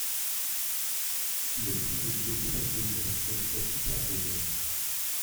Il obtient de nouvelles places d'honneurs sur les classiques ardennaises.